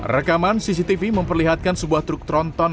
rekaman cctv memperlihatkan sebuah truk tronton